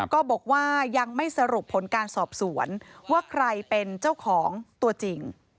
ก็บอกว่ายังไม่สรุปผลการสอบสวนว่าใครเป็นเจ้าของตัวจริง